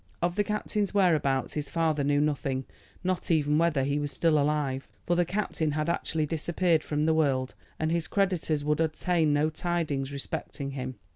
Of the captain's whereabouts his father knew nothing, not even whether he was still alive; for the captain had actually disappeared from the world, and his creditors could obtain no tidings respecting him.